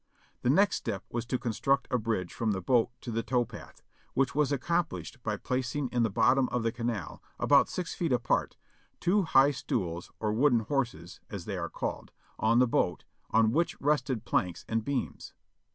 The next step was to construct a bridge from the boat to the tow path, which was accomplished by placing in the bottom of the canal, about six feet apart, the two high stools or wooden horses (as they are called) on the boat, on which rested planks and beams.